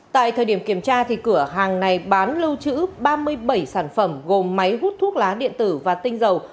tại thời điểm kiểm tra cửa hàng này bán lưu chữ ba mươi bảy sản phẩm gồm máy hút thuốc lá điện tử và tinh dầu